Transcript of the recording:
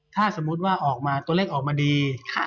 ถ้าสมมุติว่าออกมาตัวเลขออกมาดี